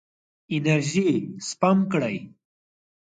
انرژي سپم کړئ.